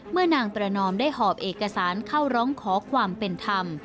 นางประนอมได้หอบเอกสารเข้าร้องขอความเป็นธรรม